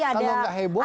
kalau enggak heboh